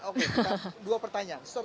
oke dua pertanyaan